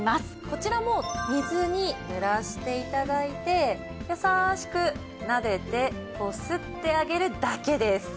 こちらも水に濡らして頂いてやさしくなでてこすってあげるだけです。